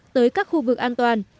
tới các khu vực an toàn